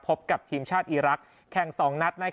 พบกับทีมชาติอีรักษ์แข่ง๒นัด